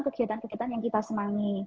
kegiatan kegiatan yang kita semangi